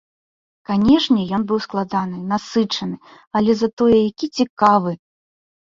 Канешне, ён быў складаны, насычаны, але затое які цікавы!